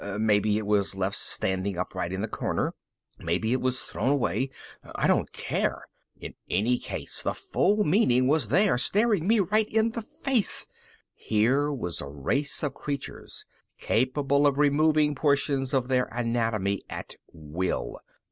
Maybe it was left standing upright in the corner. Maybe it was thrown away. I don't care. In any case, the full meaning was there, staring me right in the face. Here was a race of creatures capable of removing portions of their anatomy at will.